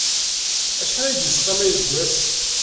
Acḥal ay d-yesqamay deg wass?